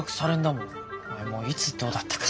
もういつどうだったか。